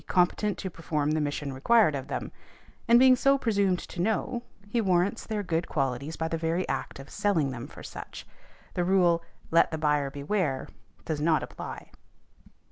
_, competent to perform the mission required of them, and being so presumed to know, he warrants their good qualities by the very act of selling them for such. The rule, "Let the buyer beware," does not apply.